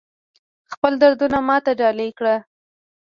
خپل دردونه ماته ډالۍ کړه